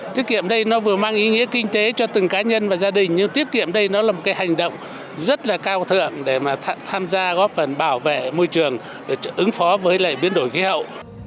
tiết kiệm đây nó vừa mang ý nghĩa kinh tế cho từng cá nhân và gia đình nhưng tiết kiệm đây nó là một cái hành động rất là cao thượng để mà tham gia góp phần bảo vệ môi trường để ứng phó với lại biến đổi khí hậu